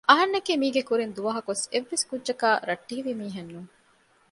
އަހަންނަކީ މީގެ ކުރިން ދުވަހަކުވެސް އެއްވެސް ކުއްޖަކާއި ރައްޓެހިވި މީހެއް ނޫން